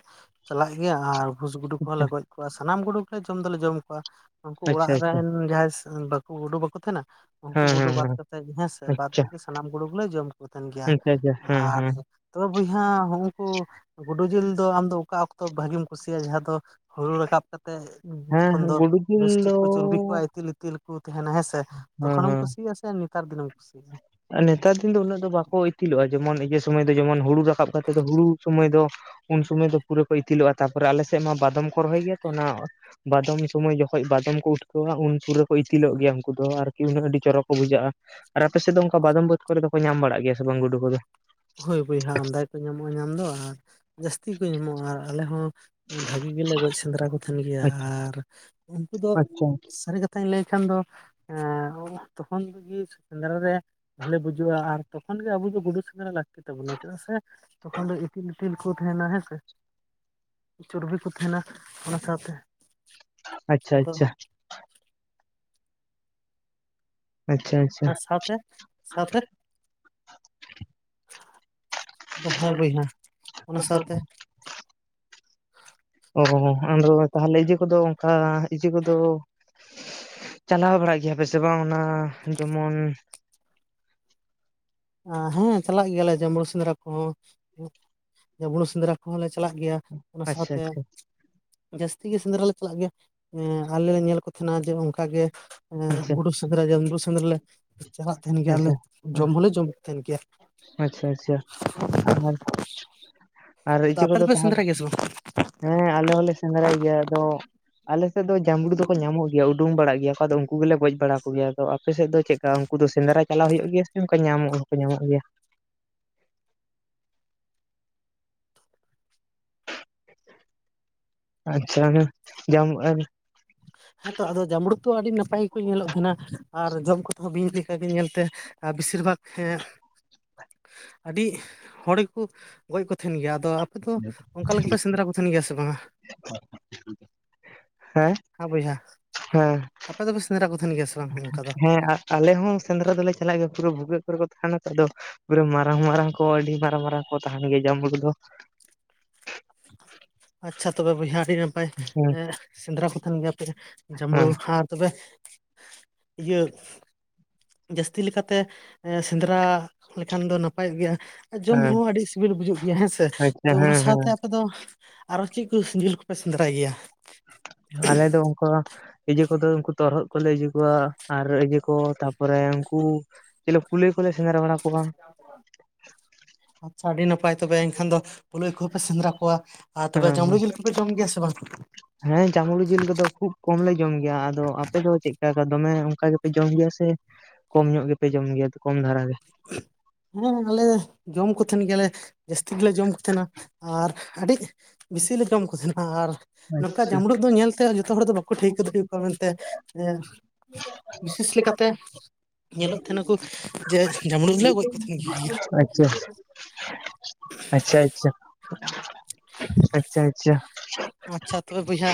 ᱪᱟᱞᱟᱜ ᱜᱮᱭᱟ ᱟᱨ ᱵᱷᱩᱥ ᱜᱩᱰᱩ ᱠᱚᱦᱚᱸ ᱞᱮ ᱜᱚᱡ ᱠᱚᱣᱟᱜ ᱥᱟᱱᱟᱢ ᱜᱩᱰᱩ ᱜᱮ ᱡᱚᱢ ᱫᱚᱞᱮ ᱡᱚᱢ ᱠᱚᱣᱟ ᱩᱱᱠᱩ ᱚᱲᱟᱜ ᱟᱪᱪᱷᱟ ᱟᱪᱪᱷᱟ ᱨᱮᱱ ᱟᱪᱪᱷᱟ ᱡᱟᱦᱟᱸᱭ ᱵᱟᱠᱚ ᱜᱩᱰᱩ ᱵᱟᱠᱚ ᱛᱟᱦᱮᱸᱱᱟ, ᱩᱱᱠᱩ ᱦᱮᱸ ᱜᱩᱰᱩ ᱦᱮᱸ ᱵᱟᱫ ᱦᱮᱸ ᱠᱟᱛᱮ ᱜᱮ ᱦᱮᱸᱥᱮ ᱵᱟᱫ ᱟᱪᱪᱷᱟ ᱵᱟᱠᱤ ᱥᱟᱱᱟᱢ ᱜᱩᱰᱩ ᱜᱮᱞᱮ ᱡᱚᱢ ᱠᱚ ᱛᱟᱦᱮᱱ ᱜᱮᱭᱟ᱾ ᱟᱪᱪᱷᱟ ᱟᱪᱪᱷᱟ ᱦᱮᱸ ᱟᱨ ᱦᱮᱸ ᱛᱚᱵᱮ ᱵᱚᱭᱦᱟ ᱦᱩᱜ-ᱩᱠᱩ ᱜᱩᱰᱩ ᱡᱤᱞ ᱫᱚ ᱟᱢ ᱫᱚ ᱚᱠᱟ ᱚᱠᱛᱚ ᱵᱷᱟᱜᱤᱢ ᱠᱩᱥᱤᱭᱟᱜ-ᱟ ᱡᱟᱦᱟᱸ ᱫᱚ ᱦᱩᱲᱩ ᱨᱟᱠᱟᱵ ᱠᱟᱛᱮᱜ ᱛᱚᱠᱷᱚᱱ ᱫᱚ ᱦᱮᱸ ᱜᱩᱰᱩ ᱡᱤᱞ ᱵᱮᱥᱴᱷᱤᱠ ᱫᱚ ᱠᱚ ᱪᱩᱨᱵᱤ ᱠᱚᱜ-ᱟ ᱤᱛᱤᱞ ᱤᱛᱤᱞ ᱠᱚ ᱛᱟᱦᱮᱱᱟ ᱦᱮᱸᱥᱮ ᱦᱮᱸ ᱛᱚᱠᱷᱚᱱᱮᱢ ᱦᱮᱸ ᱠᱩᱥᱤᱭᱟᱜ-ᱟ ᱥᱮ ᱱᱮᱛᱟᱨ ᱫᱤᱱ ᱮᱢ ᱠᱩᱥᱤᱭᱟᱜ-ᱟ? ᱟᱨ ᱱᱮᱛᱟᱨ ᱫᱤᱱ ᱫᱚ ᱩᱱᱟᱹᱜ ᱫᱚ ᱵᱟᱠᱚ ᱤᱛᱤᱞᱚᱜᱼᱟ ᱾ ᱡᱮᱢᱚᱱ ᱤᱭᱟᱹ ᱥᱚᱢᱚᱭ ᱫᱚ ᱡᱮᱢᱚᱱ ᱦᱩᱲᱩ ᱨᱟᱠᱟᱵ ᱠᱟᱛᱮᱫ ᱫᱚ ᱦᱩᱲᱩ ᱥᱚᱢᱚᱭ ᱫᱚ ᱩᱱ ᱥᱩᱚᱢᱚᱭ ᱫᱚ ᱯᱩᱨᱟᱹ ᱠᱚ ᱤᱛᱤᱞᱚᱜᱼᱟ᱾ ᱛᱟᱨ ᱯᱚᱨᱮ ᱟᱞᱮ ᱥᱮᱫ ᱢᱟ ᱵᱟᱫᱚᱢ ᱠᱚ ᱨᱚᱦᱚᱭ ᱜᱮᱭᱟ ᱛᱚ ᱚᱱᱟ ᱵᱟᱫᱚᱢ ᱥᱩᱢᱚᱭ ᱡᱚᱠᱷᱚᱡ ᱵᱟᱫᱚᱢ ᱠᱚ ᱩᱴᱠᱟᱹᱣᱟ ᱩᱱ ᱯᱩᱨᱟᱹ ᱠᱚ ᱤᱛᱤᱞᱚᱜ ᱜᱮᱭᱟ ᱩᱱᱠᱩ ᱫᱚ ᱟᱨᱠᱤ ᱩᱱᱟᱹᱜ ᱟᱹᱰᱤ ᱪᱚᱨᱚᱠ ᱠᱚ ᱵᱩᱡᱷᱟᱹᱜᱼᱟ ᱾ ᱟᱨ ᱟᱯᱮ ᱥᱮᱫ ᱫᱚ ᱚᱱᱠᱟ ᱵᱟᱫᱚᱢ ᱵᱟᱹᱫᱽ ᱠᱚᱨᱮ ᱫᱚᱠᱚ ᱧᱟᱢ ᱵᱟᱲᱟᱜ ᱜᱮᱭᱟ ᱥᱮ ᱵᱟᱝ ᱜᱩᱰᱩ ᱠᱚᱫᱚ? ᱦᱳᱭ ᱵᱚᱭᱦᱟᱸ ᱟᱢᱫᱟᱜᱼᱼ ᱧᱟᱢᱚᱜᱼᱟ ᱧᱟᱢ ᱫᱚ ᱟᱨ ᱡᱟᱹᱥᱛᱤ ᱠᱚ ᱧᱟᱢᱚᱜᱼᱟ ᱟᱨ ᱟᱞᱮ ᱦᱚᱸ ᱵᱷᱟᱜᱤ ᱜᱮᱞᱮ ᱜᱚᱡ ᱥᱮᱸᱫᱽᱨᱟ ᱠᱚ ᱛᱟᱦᱮᱱ ᱜᱮᱭᱟ ᱟᱪᱪᱷᱟ ᱟᱨ ᱩᱱᱠᱩ ᱫᱚ ᱟᱪᱪᱷᱟ ᱥᱟᱹᱨᱤ ᱠᱟᱛᱷᱟᱧ ᱞᱟᱹᱭ ᱠᱷᱟᱱ ᱫᱚ ᱮᱸ ᱛᱚᱠᱷᱚᱱ ᱨᱮᱜᱤ ᱥᱮᱸᱫᱽᱨᱟ ᱨᱮ ᱵᱷᱟᱞᱮ ᱵᱩᱡᱩᱜᱼᱟ ᱟᱨ ᱛᱚᱠᱷᱚᱱ ᱜᱮ ᱟᱵᱚ ᱫᱚ ᱜᱩᱰᱩ ᱥᱮᱸᱫᱽᱨᱟ ᱞᱟᱜ ᱛᱤᱥ ᱛᱟᱵᱚᱱᱟ ᱪᱮᱫᱟᱜ ᱥᱮ ᱛᱚᱠᱷᱚᱱ ᱫᱚ ᱤᱛᱤᱞ ᱤᱛᱤᱞ ᱠᱚ ᱛᱟᱦᱮᱱᱟ ᱦᱮᱸ ᱥᱮ ᱾ ᱪᱚᱨᱵᱤ ᱠᱚ ᱛᱟᱦᱮᱱᱟ ᱚᱱᱟ ᱥᱟᱶᱛᱮ ᱟᱪᱪᱷᱟ, ᱟᱫᱚ ᱟᱪᱪᱷᱟ ᱾ ᱟᱪᱪᱷᱟ, ᱟᱪᱪᱷᱟ ᱟᱨ ᱥᱟᱶᱛᱮ ᱥᱟᱶᱛᱮ ᱦᱮᱸ ᱵᱚᱭᱦᱟ ᱚᱱᱟ ᱥᱟᱶᱛᱮ ᱚ ᱟᱫᱚ ᱛᱟᱦᱞᱮ ᱤᱭᱟᱹ ᱠᱚᱫᱚ ᱚᱱᱠᱟ ᱤᱭᱟᱹ ᱠᱚᱫᱚ ᱪᱟᱞᱟᱣ ᱵᱟᱲᱟᱜ ᱜᱮᱭᱟ ᱯᱮ ᱥᱮ ᱵᱟᱝ ᱚᱱᱟ ᱡᱮᱢᱚᱱ ᱦᱮᱸ ᱪᱟᱞᱟᱜ ᱜᱮᱭᱟ ᱞᱮ ᱡᱮ ᱡᱟᱢᱩᱲᱩ ᱥᱮᱸᱫᱽᱨᱟ ᱠᱚᱦᱚᱸ ᱡᱟᱢᱩᱲᱩ ᱥᱮᱸᱫᱽᱨᱟ ᱠᱚᱦᱚᱸ ᱞᱮ ᱪᱟᱞᱟᱜ ᱜᱮᱭᱟ᱾ ᱚᱱᱟ ᱟᱪᱪᱷᱟ ᱥᱟᱶᱛᱮ ᱟᱪᱪᱷᱟ ᱡᱟᱹᱥᱛᱤ ᱜᱮ ᱥᱮᱸᱫᱽᱨᱟ ᱞᱮ ᱪᱟᱞᱟᱜ ᱜᱮᱭᱟ᱾ ᱮ ᱟᱞᱮ ᱞᱮ ᱧᱮᱞ ᱠᱚ ᱛᱟᱦᱮᱸᱱᱟ ᱡᱮ ᱚᱱᱠᱟ ᱜᱮ ᱟᱪᱪᱷᱟ ᱜᱩᱰᱩ ᱥᱮᱸᱫᱽᱨᱟ ᱡᱮ ᱡᱟᱢᱨᱩ ᱥᱮᱸᱫᱽᱨᱟ ᱞᱮ ᱪᱟᱞᱟᱜ ᱛᱟᱦᱮᱱ ᱜᱮᱭᱟ ᱟᱪᱪᱷᱟ ᱟᱞᱮ ᱡᱚᱢ ᱦᱚᱸᱞᱮ ᱡᱚᱢ ᱠᱚ ᱛᱟᱦᱮᱱ ᱜᱮᱭᱟ᱾ ᱟᱪᱪᱷᱟ ᱟᱪᱪᱷᱟ ᱟᱨ ᱟᱨ ᱟᱫᱚ ᱤᱭᱟᱹ ᱟᱯᱮ ᱠᱚᱫᱚ ᱫᱚᱯᱮ ᱛᱟᱦᱞᱮ ᱥᱮᱸᱫᱽᱨᱟ ᱜᱮᱭᱟ ᱥᱮ ᱵᱟᱝ ᱦᱮᱸ ᱟᱞᱮ ᱦᱚᱸᱞᱮ ᱥᱮᱸᱫᱽᱨᱟᱭ ᱜᱮᱭᱟ ᱟᱫᱚ ᱟᱞᱮ ᱥᱮᱫ ᱫᱚ ᱡᱟᱢᱲᱩ ᱫᱚᱠᱚ ᱧᱟᱢᱚᱜ ᱜᱮᱭᱟ ᱩᱰᱩᱝ ᱵᱟᱲᱟᱜ ᱜᱮᱭᱟ ᱠᱚ ᱟᱫᱚ ᱩᱱᱠᱩ ᱜᱮᱞᱮ ᱜᱚᱡ ᱵᱟᱲᱟ ᱠᱚ ᱜᱮᱭᱟ᱾ ᱟᱫᱚ ᱟᱯᱮ ᱥᱮᱫ ᱫᱚ ᱪᱮᱜᱠᱟ? ᱩᱱᱠᱩ ᱫᱚ ᱥᱮᱸᱫᱽᱨᱟ ᱪᱟᱞᱟᱣ ᱦᱩᱭᱩᱜ ᱜᱮᱭᱟ ᱥᱮ ᱚᱱᱠᱟ ᱧᱟᱢ ᱦᱚᱸᱠᱚ ᱧᱟᱢᱚᱜ ᱜᱮᱭᱟ? ᱟᱪᱪᱷᱟ ᱡᱟᱢ ᱦᱮᱸᱛᱚ ᱟᱫᱚ ᱡᱟᱢᱲᱩ ᱛᱚ ᱟᱹᱰᱤ ᱱᱟᱯᱟᱭ ᱠᱚ ᱧᱮᱞᱚᱜ ᱛᱟᱦᱮᱸᱱᱟ ᱟᱨ ᱡᱚᱢ ᱠᱚᱛᱮ ᱦᱚᱸ ᱵᱤᱧ ᱞᱮᱠᱟ ᱜᱮ ᱧᱮᱞ ᱛᱮ᱾ ᱟᱨ ᱵᱤᱥᱤᱨ ᱵᱷᱟᱜᱽ ᱦᱮ [unintelligible] ᱟᱹᱰᱤ ᱦᱚᱲ ᱜᱮᱠᱩ ᱜᱚᱡ ᱠᱚ ᱛᱟᱦᱮᱸᱱ ᱜᱮᱭᱟ᱾ ᱛᱚ ᱟᱯᱮᱫᱚ ᱚᱱᱠᱟ ᱞᱮᱠᱟ ᱯᱮ ᱥᱮᱸᱫᱽᱨᱟ ᱠᱚ ᱛᱟᱦᱮᱸᱱ ᱜᱮᱭᱟ ᱥᱮ ᱵᱟᱝᱟ? ᱦᱮᱸ, ᱦᱮᱸ ᱵᱚᱭᱦᱟ ᱟᱯᱮ ᱫᱚ ᱯᱮ ᱥᱮᱸᱫᱽᱨᱟ ᱠᱚ ᱛᱟᱦᱮᱸᱱ ᱜᱮᱭᱟ ᱥᱮ, ᱵᱟᱝ ᱚᱱᱠᱟ ᱫᱚ ᱦᱮᱸ ᱟᱞᱮ ᱦᱚᱸ ᱥᱮᱸᱫᱽᱨᱟ ᱫᱚᱞᱮ ᱪᱟᱞᱟᱜ ᱜᱮᱭᱟ᱾ ᱯᱩᱨᱟᱹ ᱵᱷᱩᱜᱟᱹᱜ ᱠᱚᱨᱮ ᱠᱚ ᱛᱟᱦᱮᱸᱱᱟ ᱛᱚ ᱟᱫᱚ ᱯᱩᱨᱟᱹ ᱢᱟᱨᱟᱝ ᱢᱟᱨᱟᱝ ᱠᱚ ᱟᱹᱰᱤ ᱢᱟᱨᱟᱝ ᱢᱟᱨᱟᱝ ᱠᱚ ᱛᱟᱦᱮᱸᱱ ᱜᱮᱭᱟ ᱡᱟᱢᱲᱩ ᱫᱚ᱾ ᱟᱪᱪᱷᱟ ᱛᱚᱵᱮ ᱵᱚᱭᱦᱟ ᱟᱹᱰᱤ ᱱᱟᱯᱟᱭ ᱦᱮᱸ ᱮ ᱥᱮᱸᱫᱽᱨᱟ ᱠᱚ ᱛᱟᱦᱮᱸᱱ ᱜᱮᱭᱟ ᱯᱮ ᱡᱟᱢᱲᱩ ᱦᱮᱸ ᱟᱨ ᱛᱚᱵᱮ ᱤᱭᱟᱹ, ᱡᱟᱹᱥᱛᱤ ᱞᱮᱠᱟ ᱛᱮ ᱥᱮᱸᱫᱽᱨᱟ ᱞᱮᱠᱷᱟᱱ ᱫᱚ ᱱᱟᱯᱟᱭᱚᱜ ᱜᱮᱭᱟ᱾ ᱡᱚᱢ ᱦᱮᱸ ᱦᱚᱸ ᱟᱹᱰᱤ ᱥᱤᱵᱤᱞ ᱵᱩᱡᱩᱜ ᱜᱮᱭᱟ ᱦᱮᱸᱥᱮ᱾ ᱛᱚ ᱟᱪᱪᱷᱟ ᱦᱮᱸ ᱚᱱᱟ ᱦᱮᱸ ᱥᱟᱶᱛᱮ ᱟᱫᱚ ᱟᱨᱚ ᱪᱮᱫ ᱠᱚ ᱡᱤᱞ ᱠᱚᱯᱮ ᱥᱮᱸᱫᱽᱨᱟᱭ ᱜᱮᱭᱟ? ᱟᱞᱮ ᱫᱚ ᱚᱱᱠᱟ ᱤᱭᱟᱹ ᱠᱚᱫᱚ ᱩᱱᱠᱩ ᱛᱚᱨᱦᱚᱫ ᱠᱚᱞᱮ ᱤᱭᱟᱹ ᱠᱚᱣᱟ᱾ ᱟᱨ ᱤᱭᱟᱹ ᱠᱚ ᱛᱟᱯᱚᱨᱮ ᱩᱱᱠᱩ ᱪᱮᱞᱮ ᱠᱩᱞᱟᱹᱭ ᱠᱚᱞᱮ ᱥᱮᱸᱫᱽᱨᱟ ᱵᱟᱲᱟ ᱠᱚᱣᱟ᱾ ᱟᱪᱪᱷᱟ᱾ ᱟᱹᱰᱤ ᱱᱟᱯᱟᱭ ᱛᱚᱵᱮ ᱮᱱᱠᱷᱟᱱ ᱫᱚ ᱠᱩᱞᱟᱹᱭ ᱠᱚᱦᱚᱸᱯᱮ ᱥᱮᱸᱫᱽᱨᱟ ᱠᱚᱣᱟ᱾ ᱟᱨ ᱛᱚᱵᱮ ᱡᱚᱢᱲᱩ ᱦᱮᱸ ᱡᱤᱞ ᱠᱚᱯᱮ ᱡᱚᱢ ᱜᱮᱭᱟ ᱥᱮ ᱵᱟᱝ? ᱦᱮᱸ ᱡᱟᱢᱲᱩ ᱡᱤᱞ ᱠᱚᱫᱚ ᱠᱷᱩᱵ ᱠᱚᱢ ᱞᱮ ᱡᱚᱢ ᱜᱮᱭᱟ᱾ ᱟᱫᱚ ᱟᱯᱮ ᱫᱚ ᱪᱮᱫᱠᱟ ᱫᱚᱢᱮ ᱚᱱᱠᱟ ᱜᱮᱯᱮ ᱡᱚᱢ ᱜᱮᱭᱟ ᱥᱮ? ᱠᱚᱢ ᱧᱚᱜ ᱜᱮᱯᱮ ᱡᱚᱢ ᱜᱮᱭᱟ ᱠᱚᱢ ᱫᱷᱟᱨᱟ ᱜᱮ᱾ ᱦᱩᱸ ᱟᱞᱮ ᱡᱚᱢ ᱠᱚ ᱛᱟᱦᱮᱸᱱ ᱜᱮᱭᱟᱞᱮ ᱡᱟᱹᱥᱛᱤ ᱜᱮᱞᱮ ᱡᱚᱢ ᱠᱚ ᱛᱟᱦᱮᱱᱟ᱾ ᱟᱨ ᱟᱹᱰᱤ ᱵᱤᱥᱤ ᱞᱮ ᱡᱚᱢ ᱠᱚ ᱛᱟᱦᱮᱸᱱᱟ᱾ ᱟᱨ ᱱᱚᱝᱠᱟ ᱟᱪᱪᱷᱟ ᱡᱟᱢᱲᱩ ᱫᱚ ᱧᱮᱞᱛᱮ ᱡᱚᱛᱚ ᱦᱚᱲ ᱫᱚ ᱵᱟᱠᱚ ᱠᱚ ᱴᱷᱟᱹᱣᱠᱟᱹ ᱫᱟᱲᱮ ᱟᱠᱚᱣᱟ ᱢᱮᱱᱛᱮ, ᱵᱤᱥᱮᱥ ᱞᱮᱠᱟᱛᱮ ᱧᱮᱞᱚᱜ ᱛᱟᱦᱮᱱᱟᱠᱚ ᱡᱮ ᱡᱟᱢᱲᱩ ᱜᱮᱞᱮ ᱜᱚᱡ ᱠᱚ ᱛᱟᱦᱮᱸᱱ ᱜᱮᱭᱟ᱾ ᱟᱪᱪᱷᱟ, ᱟᱪᱪᱷᱟ ᱟᱪᱪᱷᱟ ᱟᱪᱪᱷᱟ ᱟᱪᱪᱷᱟ᱾ ᱟᱪᱪᱷᱟ ᱛᱚᱵᱮ ᱵᱚᱭᱦᱟ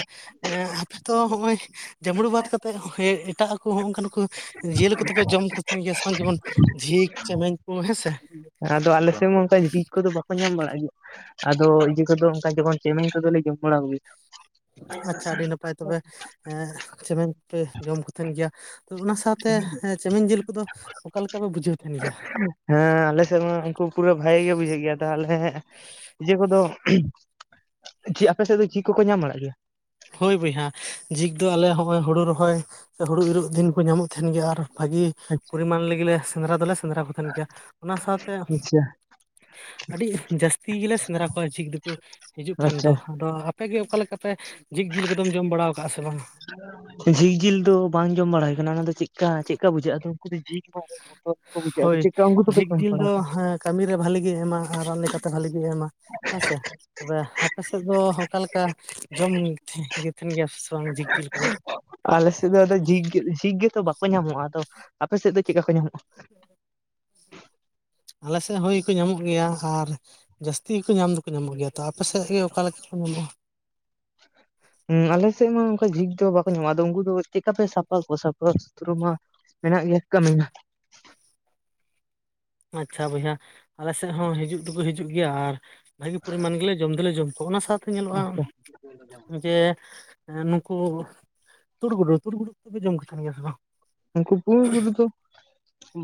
ᱟᱯᱮ ᱛᱚ ᱦᱚᱜ-ᱚᱭ ᱡᱟᱢᱲᱩ ᱵᱟᱫ ᱠᱟᱛᱮᱫ ᱮᱴᱟᱜ ᱠᱚ ᱦᱚᱸ ᱚᱱᱠᱟᱱ ᱠᱚ ᱡᱤᱭᱟᱹᱞᱤ ᱠᱚᱫᱚᱯᱮ ᱡᱚᱢ ᱠᱚ ᱛᱟᱦᱮᱸ ᱜᱮᱭᱟ, ᱥᱮ ᱵᱟᱝ ᱡᱮᱢᱚᱱ ᱡᱷᱤᱠ ᱪᱮᱢᱮᱧ ᱠᱩ ᱦᱮᱸᱥᱮ᱾ ᱟᱫᱚ ᱟᱞᱮ ᱥᱮᱫ ᱢᱟ ᱚᱱᱠᱟ ᱡᱷᱤᱠ ᱠᱚᱫᱚ ᱵᱟᱠᱚ ᱧᱟᱢ ᱵᱟᱲᱟᱜ ᱜᱮ ᱟᱫᱚ ᱤᱭᱟᱹ ᱠᱚᱫᱚ ᱚᱱᱠᱟ ᱡᱮᱢᱚᱱ ᱪᱮᱢᱮᱧ ᱠᱚᱫᱚᱞᱮ ᱡᱚᱢ ᱵᱟᱲᱟ ᱠᱚᱜᱮᱭᱟ᱾ ᱟᱪᱪᱷᱟ ᱟᱹᱰᱤ ᱱᱟᱯᱟᱭ ᱛᱚᱵᱮ ᱦᱮᱸ ᱪᱮᱢᱮᱧ ᱯᱮ ᱡᱚᱢ ᱛᱟᱦᱮᱸᱱ ᱜᱮᱭᱟ᱾ ᱛᱚ ᱚᱱᱟ ᱥᱟᱶᱛᱮ ᱪᱮᱢᱮᱧ ᱡᱮᱞ ᱠᱚᱫᱚ ᱚᱠᱟ ᱞᱮᱠᱟᱯᱮ ᱵᱩᱡᱷᱟᱹᱣ ᱛᱟᱦᱮᱸᱱ ᱜᱮᱭᱟ? ᱦᱮᱸ ᱟᱞᱮ ᱥᱮᱫ ᱢᱟ ᱩᱱᱠᱩ ᱯᱩᱨᱟᱹ ᱵᱷᱟᱜᱮ ᱜᱮ ᱵᱩᱡᱷᱟᱹᱜ ᱜᱮᱭᱟ ᱛᱟᱦᱚᱞᱮ ᱤᱭᱟᱹ ᱠᱚᱫᱚ ᱪᱮᱫ ᱟᱯᱮ ᱥᱮᱫ ᱫᱚ ᱡᱷᱤᱠ ᱠᱚᱠᱚ ᱧᱟᱢ ᱵᱟᱲᱟᱜ ᱜᱮᱭᱟ? ᱦᱳᱭ ᱵᱚᱭᱦᱟ ᱡᱷᱤᱠ ᱫᱚ ᱟᱞᱮ ᱦᱳᱭ ᱦᱳᱲᱳ ᱨᱚᱦᱚᱭ ᱦᱳᱲᱳ ᱤᱨᱚᱜ ᱫᱤᱱ ᱠᱚ ᱧᱟᱢᱚᱜ ᱛᱟᱦᱮᱱ ᱜᱮᱭᱟ᱾ ᱟᱨ ᱵᱷᱟᱹᱜᱮ ᱯᱚᱨᱤᱢᱟᱱ ᱞᱟᱹᱜᱤᱞᱮ ᱥᱮᱸᱫᱽᱨᱟ ᱫᱚᱞᱮ ᱥᱮᱸᱫᱽᱨᱟ ᱠᱚ ᱛᱟᱦᱮᱸᱱ ᱜᱮᱭᱟ᱾ ᱚᱱᱟ ᱥᱟᱶᱛᱮ ᱟᱪᱪᱷᱟ ᱟᱹᱰᱤ ᱡᱟᱹᱥᱛᱤ ᱜᱮᱞᱮ ᱥᱮᱸᱫᱽᱨᱟ ᱠᱚᱣᱟ ᱡᱷᱤᱠ ᱫᱚᱠᱚ ᱦᱤᱡᱩᱜ ᱠᱷᱟᱱ ᱟᱪᱪᱷᱟ ᱫᱚ᱾ ᱟᱫᱚ ᱟᱯᱮᱜᱤ ᱚᱠᱟᱠᱟ ᱞᱮᱠᱟᱛᱮᱮ ᱡᱷᱤᱠ ᱡᱤᱞ ᱠᱚᱫᱚᱢ ᱡᱚᱢ ᱵᱟᱲᱟᱟᱣ ᱟᱠᱟᱜ-ᱟ ᱥᱮ ᱵᱟᱝᱟ᱾ ᱡᱷᱤᱠ ᱡᱤᱞ ᱫᱚ ᱵᱟᱝ ᱡᱚᱢ ᱵᱟᱲᱟ ᱦᱳᱭ ᱠᱟᱱᱟ ᱚᱱᱟ ᱫᱚ ᱪᱮᱫᱠᱟ ᱪᱮᱫᱞᱮᱠᱟ ᱵᱩᱡᱷᱟᱹᱜ-ᱟ ᱡᱷᱤᱠ ᱦᱳᱭ [unintelligible] ᱡᱷᱤᱠ ᱡᱚᱢ ᱡᱤᱞ ᱵᱟᱲᱟ ᱫᱚ ᱠᱚᱣᱟ ᱦᱮᱸ ᱠᱟᱹᱢᱤᱨᱮ ᱵᱷᱷᱟᱞᱤ ᱜᱮ ᱮᱢᱟ ᱟᱨ ᱨᱟᱱ ᱞᱮᱠᱟᱛᱮ ᱵᱷᱟᱞᱤᱜ ᱜᱮ ᱮᱢᱟ ᱦᱮᱸᱥᱮ᱾ ᱛᱚᱵᱮ ᱟᱯᱮ ᱥᱮᱫ ᱫᱚ ᱚᱠᱟ ᱞᱮᱠᱟ ᱡᱚᱢ ᱜᱮ ᱛᱟᱦᱮᱸᱱ ᱜᱮᱭᱟ ᱥᱮ ᱵᱟᱝ ᱡᱷᱤᱠ ᱡᱮᱞ ᱠᱚᱫᱚ? ᱟᱞᱮ ᱥᱮᱫ ᱫᱚ ᱟᱫᱚ ᱡᱷᱤᱠ ᱡᱷᱤᱠ ᱜᱮᱛᱚ ᱵᱟᱠᱚ ᱧᱟᱢᱚᱜᱼᱟ ᱟᱫᱚ ᱟᱯᱮ ᱥᱮᱫ ᱫᱚ ᱪᱮᱫᱠᱟ ᱠᱚ? ᱧᱟᱢᱚᱜᱼᱟ [unintelligible] ᱟᱞᱮ ᱥᱮᱫ ᱦᱩᱭ ᱜᱮᱠᱚ ᱧᱟᱢᱚᱜ ᱜᱮᱭᱟ ᱟᱨ ᱡᱟᱹᱥᱛᱤ ᱦᱚᱸᱠᱚ ᱧᱟᱢ ᱫᱚᱠᱚ ᱧᱟᱢᱚᱜ ᱜᱮᱭᱟ ᱾ ᱟᱯᱮ ᱥᱮᱫ ᱜᱮ ᱚᱠᱟᱮ ᱞᱮᱠᱟ ᱠᱚ ᱧᱟᱢᱚᱜᱼᱟ? ᱦᱩᱸ ᱟᱞᱮ ᱥᱮᱫ ᱢᱟ ᱚᱱᱠᱟ ᱡᱷᱤᱠ ᱫᱚ ᱵᱟᱠᱚ ᱧᱟᱢᱚᱜᱼᱟ ᱟᱫᱚ ᱩᱱᱠᱩ ᱫᱚ ᱪᱮᱫᱠᱟᱯᱮ ᱥᱟᱯᱷᱟ ᱠᱚᱣᱟ ᱥᱟᱯᱷᱟ ᱥᱩᱛᱨᱚ ᱢᱟ? ᱢᱮᱱᱟᱜ ᱜᱮᱭᱟ ᱠᱟᱹᱢᱤ ᱟᱪᱪᱷᱟ ᱵᱚᱭᱦᱟ ᱟᱞᱮ ᱥᱮᱫ ᱦᱚᱸ ᱦᱤᱡᱩᱜ ᱫᱚᱠᱚ ᱦᱤᱡᱩᱜ ᱜᱮᱭᱟ᱾ ᱟᱨ ᱵᱷᱟᱜᱮ ᱯᱚᱨᱤᱢᱟᱱ ᱜᱮᱞᱮ ᱡᱚᱢ ᱫᱚᱞᱮ ᱡᱚᱢ ᱠᱚᱣᱟ ᱚᱱᱟ ᱥᱟᱶᱛᱮ ᱧᱮᱞᱚᱜᱼᱟ ᱡᱮ ᱦᱮᱸ ᱱᱩᱠᱩ ᱛᱩᱲ ᱜᱩᱰᱩ ᱛᱩᱲ ᱜᱩᱰᱩ ᱫᱚᱯᱮ ᱡᱚᱢ ᱠᱚ ᱛᱟᱦᱮᱸᱱ ᱜᱮᱭᱟ ᱥᱮ ᱵᱟᱝ? ᱩᱱᱠᱩ ᱵᱷᱩᱥ ᱜᱩᱰᱩ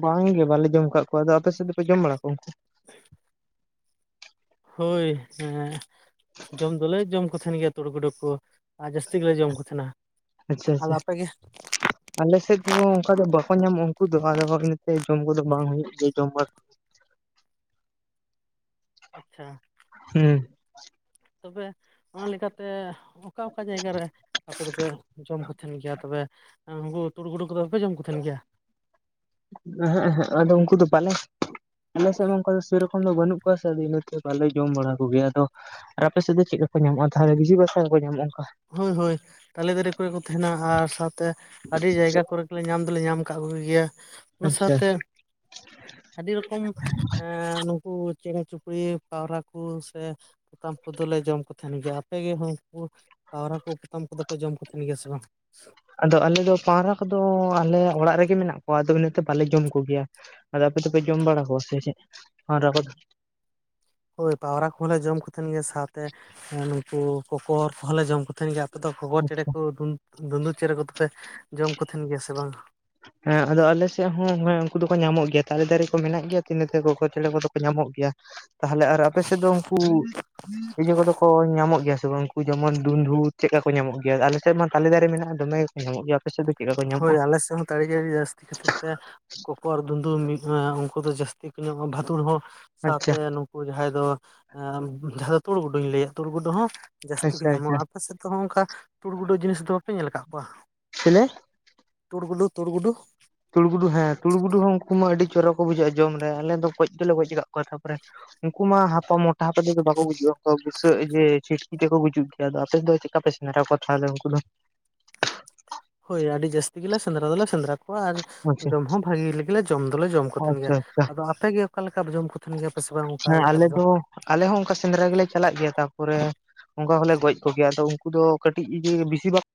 ᱵᱟᱝᱜᱮ ᱵᱟᱞᱮ ᱡᱚᱢ ᱟᱠᱟᱫ ᱠᱚᱣᱟ ᱟᱫᱚ ᱟᱯᱮ ᱥᱮᱫ ᱫᱚᱯᱮ ᱡᱚᱢ ᱵᱟᱲᱟ ᱠᱚᱣᱟ? [unintelligible] ᱦᱳᱭ ᱦᱮᱸ ᱡᱚᱢ ᱫᱚᱞᱮ ᱡᱚᱢ ᱠᱚ ᱛᱟᱦᱮᱸᱱ ᱜᱮᱭᱟ ᱛᱩᱲᱩ ᱜᱩᱰᱩ ᱠᱚ᱾ ᱟᱨ ᱡᱟᱹᱥᱛᱤ ᱜᱮᱞᱮ ᱡᱚᱢ ᱠᱚ ᱛᱟᱦᱮᱸᱱᱟ, ᱟᱪᱪᱷᱟ ᱟᱫᱚ ᱟᱪᱪᱷᱟ ᱟᱯᱮ ᱜᱮ? [unintelligible] ᱟᱞᱮ ᱥᱮᱫ ᱫᱚ ᱚᱱᱠᱟ ᱫᱚ ᱵᱟᱠᱚ ᱧᱟᱢᱚᱜᱼᱟ ᱩᱱᱠᱩ ᱫᱚ ᱟᱫᱚ ᱚᱱᱟᱛᱮ ᱡᱚᱢ ᱠᱚᱫᱚ ᱵᱟᱝ ᱦᱩᱭᱩᱜ ᱜᱮᱭᱟ ᱡᱚᱢ ᱵᱟᱲᱟ ᱠᱚ᱾ ᱟᱪᱪᱷᱟ, ᱦᱩᱸ, ᱛᱚᱵᱮ ᱚᱱᱟ ᱞᱮᱠᱟᱛᱮ ᱚᱠᱟ ᱚᱠᱟ ᱡᱟᱭᱜᱟ ᱨᱮ ᱟᱯᱮ ᱫᱚᱯᱮ ᱡᱚᱢ ᱠᱚ ᱛᱟᱦᱮᱸᱱ ᱜᱮᱭᱟ ᱛᱚᱵᱮ ᱩᱱᱠᱩ ᱛᱩᱲ ᱜᱩᱰᱩ ᱠᱚᱫᱚ ᱵᱟᱯᱮ ᱡᱚᱢ ᱠᱚ ᱛᱟᱦᱮᱸᱱ ᱜᱮᱭᱟ? ᱮᱸᱦᱮᱸᱜ ᱮᱸᱦᱮᱜ ᱟᱞᱮᱫᱚ ᱩᱱᱠᱩ ᱫᱚ ᱯᱟᱞᱮ ᱟᱞᱮ ᱥᱮᱫ ᱢᱟ ᱥᱮᱨᱚᱠᱚᱢ ᱛᱚᱠᱷᱚᱱ ᱫᱚ ᱵᱟᱹᱱᱩᱜ ᱠᱚᱣᱟ ᱥᱮ ᱟᱫᱚ ᱤᱱᱟᱹᱛᱮ ᱵᱟᱞᱮ ᱡᱚᱢ ᱵᱟᱲᱟ ᱠᱚᱜᱮᱭᱟ᱾ ᱟᱫᱚ ᱟᱨ ᱟᱯᱮ ᱥᱮᱫ ᱫᱚ ᱪᱮᱫ ᱞᱮᱠᱟ ᱠᱚ ᱧᱟᱢᱚᱜᱼᱟ ᱛᱟᱦᱚᱞᱮ ᱵᱤᱡᱤ ᱵᱟᱥᱟ ᱦᱚᱸᱠᱚ ᱧᱟᱢᱚᱜᱼᱟ ᱚᱱᱠᱟ? ᱦᱳᱭ ᱦᱳᱭ ᱛᱟᱞᱮ ᱫᱟᱨᱮ ᱠᱚᱨᱮ ᱠᱚ ᱛᱟᱦᱮᱸᱱᱟ ᱟᱨ ᱥᱟᱶᱛᱮ ᱟᱹᱰᱤ ᱡᱟᱭᱜᱟ ᱠᱚᱨᱮ, ᱧᱟᱢ ᱫᱚᱞᱮ ᱧᱟᱢ ᱠᱟᱫ ᱠᱚ ᱜᱮᱭᱟ, ᱚᱱᱟ ᱥᱟᱶᱛᱮ [unintelligible] ᱟᱹᱰᱤ ᱨᱚᱠᱚᱢ ᱮᱸ ᱱᱩᱠᱩ ᱪᱮᱬᱮ ᱪᱤᱯᱩᱲᱤᱭᱟᱹ ᱯᱟᱣᱨᱟ ᱠᱚ ᱥᱮ ᱯᱚᱛᱟᱢ ᱠᱚᱫᱚᱞᱮ ᱡᱚᱢ ᱠᱚ ᱛᱟᱦᱮᱱ ᱜᱮᱭᱟ ᱾ ᱟᱯᱮᱜ ᱜᱮ ᱩᱱᱠᱩᱼᱼ ᱯᱟᱣᱨᱟ ᱠᱚ ᱯᱚᱛᱟᱢ ᱠᱚᱫᱚ ᱯᱮ ᱡᱚᱢ ᱠᱚ ᱛᱟᱦᱮᱱ ᱜᱮᱭᱟ ᱥᱮ ᱵᱟᱝ? ᱟᱫᱚ ᱟᱞᱮ ᱫᱚ ᱯᱟᱣᱨᱟ ᱠᱚᱫᱚ ᱟᱞᱮ ᱚᱲᱟᱜ ᱨᱮᱜᱮ ᱢᱮᱱᱟᱜ ᱠᱚᱣᱟ, ᱟᱫᱚ ᱤᱱᱟᱹᱛᱮ ᱵᱟᱞᱮ ᱡᱚᱢ ᱠᱚᱜᱮᱭᱟ ᱾ ᱟᱫᱚ ᱟᱯᱮ ᱫᱚᱯᱮ ᱡᱚᱢ ᱵᱟᱲᱟ ᱠᱚᱣᱟ ᱥᱮ ᱪᱮᱫ ᱯᱟᱣᱨᱟ ᱠᱚᱫᱚ ᱾ ᱦᱳᱭ ᱯᱟᱣᱨᱟ ᱠᱚᱦᱚᱸᱞᱮ ᱡᱚᱢ ᱠᱚᱛᱷᱮᱱ ᱜᱮᱭᱟ ᱥᱟᱶᱛᱮ ᱱᱩᱠᱩ ᱠᱚᱠᱚᱨ ᱠᱚᱦᱚᱸᱞᱮ ᱡᱚᱢ ᱠᱚᱛᱷᱮᱱ ᱜᱮᱭᱟ ᱾ ᱛᱚ ᱜᱚᱜᱚᱨ ᱪᱮᱬᱮ ᱠᱚ ᱫᱩᱸᱫᱩ ᱪᱮᱬᱮ ᱠᱚᱫᱚᱯᱮ ᱡᱚᱢ ᱠᱚ ᱛᱟᱦᱮᱱ ᱜᱮᱭᱟ ᱥᱮ ᱵᱟᱝ ᱦᱮᱸ ᱟᱫᱚ ᱟᱞᱮ ᱥᱮᱫ ᱦᱚᱸ ᱦᱮᱸ ᱩᱱᱠᱩ ᱫᱚᱠᱚ ᱧᱟᱢᱚᱜ ᱜᱮᱭᱟ ᱛᱟᱨᱮ ᱫᱟᱨᱮ ᱠᱚ ᱢᱮᱱᱟᱜ ᱜᱮᱭᱟ ᱤᱱᱟᱹ ᱛᱮ ᱠᱚᱠᱚᱨ ᱪᱮᱬᱮ ᱠᱚᱫᱚ ᱠᱚ ᱧᱟᱢᱚᱜ ᱜᱮᱭᱟ᱾ ᱛᱟᱦᱚᱞᱮ ᱟᱨ ᱟᱯᱮ ᱥᱮᱫ ᱫᱚ ᱩᱱᱠᱩ ᱤᱭᱟᱹ ᱠᱚᱫᱚ ᱠᱚ ᱧᱟᱢᱚᱜ ᱜᱮᱭᱟ ᱥᱮ ᱵᱟᱝ ᱩᱱᱠᱩ ᱡᱮᱢᱚᱱ ᱫᱩᱱᱫᱩ ᱪᱮᱫ ᱞᱮᱠᱟ ᱠᱚ ᱧᱟᱢᱚᱜ ᱜᱮᱭᱟ ᱟᱞᱮ ᱥᱮᱫ ᱢᱟ ᱛᱟᱞᱮ ᱫᱟᱨᱮ ᱢᱮᱱᱟᱜ-ᱟ ᱫᱚᱢᱮ ᱧᱟᱢᱚᱜ ᱜᱮᱭᱟ ᱟᱯᱮᱥᱮᱫ ᱫᱚ ᱪᱮᱫ ᱞᱮᱠᱟ ᱠᱚ ᱧᱟᱢᱚᱜ-ᱟ [unintelligible] ᱟᱲᱤᱤ ᱡᱟᱹᱥᱛᱤ ᱠᱷᱛᱤᱨ ᱛᱮ ᱠᱚᱠᱚᱨ ᱫᱩᱱᱫᱩ ᱩᱱᱠᱩ ᱫᱚ ᱡᱟᱹᱥᱛᱤ ᱠᱚ ᱧᱟᱢᱚᱜ-ᱟ ᱵᱷᱟᱫᱩᱲ ᱦᱚᱸ ᱥᱟᱶᱛᱮ ᱟᱪᱪᱷᱟ ᱡᱟᱦᱟᱸᱭ ᱫᱚ ᱡᱟᱦᱟᱸ ᱫᱚ ᱛᱩᱲ ᱜᱩᱰᱩᱧ ᱞᱟᱹᱭᱟ ᱛᱩᱲ ᱜᱩᱰᱩ ᱦᱚᱸ ᱡᱟᱹᱥᱛᱤ ᱠᱚ ᱟᱪᱪᱷᱟ ᱧᱟᱢᱚᱜᱼᱟ ᱟᱪᱪᱷᱟ ᱟᱯᱮ ᱥᱮᱫ, ᱚ ᱦᱚᱸ ᱚᱱᱠᱟ ᱛᱩᱲ ᱜᱩᱰᱩ ᱡᱤᱱᱤᱥ ᱫᱚ ᱵᱟᱯᱮ ᱧᱮᱞ ᱟᱠᱟᱫ ᱠᱚᱣᱟ? ᱪᱮᱞᱮ? ᱛᱩᱲ ᱜᱩᱰᱩ ᱛᱩᱲ ᱜᱩᱰᱩ, ᱛᱩᱲ ᱜᱩᱰᱩ ᱦᱮᱸ ᱛᱩᱲ ᱜᱩᱰᱩ ᱦᱚᱸ ᱩᱱᱠᱩ ᱢᱟ ᱟᱹᱰᱤ ᱪᱚᱨᱟ ᱠᱚ ᱵᱩᱡᱷᱟᱹᱜᱼᱟ ᱡᱚᱢ ᱨᱮ ᱟᱞᱮ ᱫᱚ ᱜᱚᱡ ᱫᱚᱞᱮ ᱜᱚᱡ ᱠᱟᱜ ᱠᱚᱣᱟ᱾ ᱛᱟᱯᱚᱨᱮ ᱩᱱᱠᱩ ᱢᱟ ᱦᱟᱯᱟ ᱢᱚᱴᱟ ᱦᱟᱯᱟ ᱫᱮ ᱵᱟᱠᱚ ᱵᱩᱡᱩᱜ ᱟᱠᱚ ᱾ ᱥᱟᱹᱜ ᱤᱫᱤ ᱪᱷᱤᱴᱠᱤ ᱛᱮᱠᱚ ᱜᱩᱡᱩᱜ ᱜᱮᱭᱟ, ᱟᱫᱚ ᱟᱯᱮᱫ ᱫᱚ ᱪᱤᱠᱟ, ᱯᱮ ᱥᱮᱫᱽᱨᱟ ᱠᱚᱣᱟ ᱛᱟᱦᱚᱞᱮ ᱩᱱᱠᱩ ᱫᱚ? ᱦᱳᱭ ᱟᱹᱰᱤ ᱡᱟᱹᱥᱛᱤ ᱜᱮᱞᱮ ᱥᱮᱸᱫᱽᱨᱟ ᱫᱚᱞᱮ ᱥᱮᱸᱫᱽᱨᱟ ᱠᱚᱣᱟ, ᱟᱨ ᱟᱪᱪᱷᱟ ᱡᱚᱢ ᱦᱚᱸ ᱵᱷᱟᱜᱮᱞᱮ ᱡᱚᱢ ᱫᱚᱞᱮ ᱡᱚᱢ ᱠᱚᱛᱷᱮᱱ ᱟᱪᱪᱷᱟ ᱜᱮᱭᱟ ᱟᱪᱪᱷᱟ ᱾ ᱟᱫᱚ ᱟᱯᱮᱜᱮ ᱚᱠᱟ ᱞᱮᱠᱟᱯᱮ ᱡᱚᱢ ᱠᱚ ᱛᱟᱦᱮᱱ ᱜᱮᱭᱟ, ᱥᱮ ᱵᱟᱝ ᱚᱱᱠᱟ ᱦᱮᱸ ᱞᱮᱠᱟ ᱟᱞᱮ ᱛᱚᱫ ᱫᱚ ᱟᱞᱮ ᱦᱚᱸ ᱚᱱᱠᱟ ᱥᱮᱸᱫᱽᱨᱟ ᱜᱮᱞᱮ ᱪᱟᱞᱟᱜ ᱜᱮᱭᱟ ᱛᱟᱯᱚᱨᱮᱼᱼ ᱚᱱᱠᱟ ᱦᱚᱞᱮ ᱜᱚᱡ ᱠᱚᱜᱮᱭᱟ ᱟᱫᱚ ᱩᱱᱠᱩ ᱫᱚ ᱠᱟᱹᱴᱤᱡ ᱜᱮ ᱵᱤᱥᱤ ᱵᱷᱟᱜᱽ